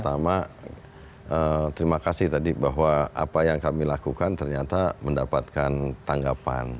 pertama terima kasih tadi bahwa apa yang kami lakukan ternyata mendapatkan tanggapan